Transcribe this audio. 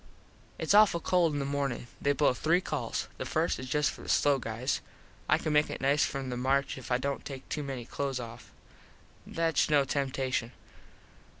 Its awful cold in the mornin. They blow three calls. The first is just for the slow guys. I can make it nice from the march if I dont take too many close off. Thats no temtashun.